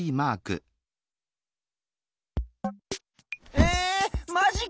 えマジか！